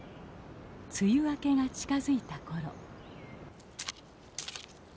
梅雨明けが近づいたころ。